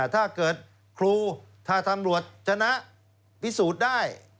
ถ้าเกิดครูถ้าตำรวจชนะพิสูจน์ได้